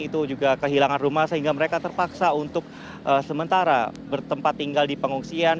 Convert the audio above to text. itu juga kehilangan rumah sehingga mereka terpaksa untuk sementara bertempat tinggal di pengungsian